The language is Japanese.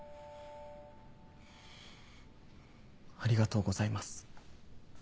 ありがとうございます。